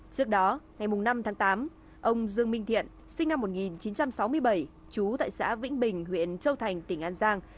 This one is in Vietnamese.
trước đó ngày năm tháng tám ông dương minh thiện sinh năm một nghìn chín trăm sáu mươi bảy chú tại xã vĩnh bình huyện châu thành tỉnh an giang